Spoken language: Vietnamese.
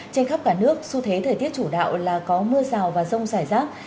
trên khắp cả nước xu thế thời tiết chủ đạo là có mưa rào và rông rải rác